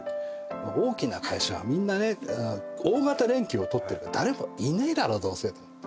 大きな会社はみんなね大型連休を取ってて誰もいねえだろどうせと思って。